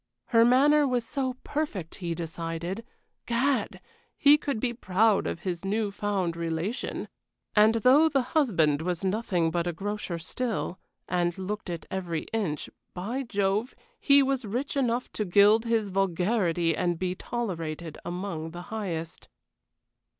Her manner was so perfect, he decided! Gad! he could be proud of his new found relation. And though the husband was nothing but a grocer still, and looked it every inch, by Jove, he was rich enough to gild his vulgarity and be tolerated among the highest.